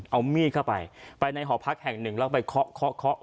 เอามีดเข้าไปไปในหอพักแห่งหนึ่งแล้วไปเคาะเคาะเคาะ